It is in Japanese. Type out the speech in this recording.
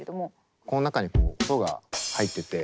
この中に音が入っていて。